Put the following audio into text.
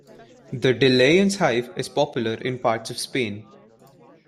The De-Layens hive is popular in parts of Spain.